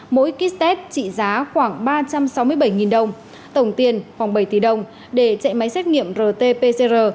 mỗi kit test trị giá khoảng ba trăm sáu mươi bảy đồng tổng tiền khoảng bảy tỷ đồng để chạy máy xét nghiệm rt pcr